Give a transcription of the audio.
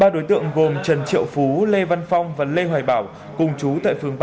ba đối tượng gồm trần triệu phú lê văn phong và lê hoài bảo cùng chú tại phường tám